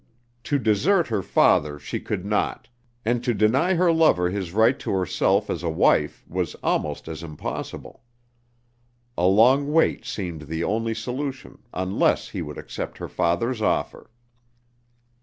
To desert her father she could not, and to deny her lover his right to herself as a wife was almost as impossible. A long wait seemed the only solution, unless he would accept her father's offer.